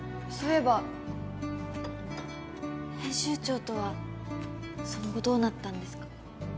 そういえば編集長とはその後どうなったんですか？